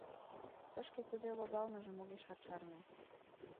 Тышке кузе логалмыжым огешат шарне.